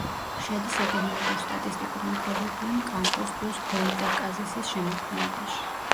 შედის ეკონომიკურ-სტატისტიკურ მიკრორეგიონ კამპუს-დუს-გოიტაკაზისის შემადგენლობაში.